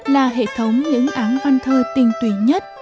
là hệ thống những áng văn thơ tinh tùy nhất